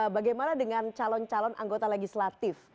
bagaimana dengan calon calon anggota legislatif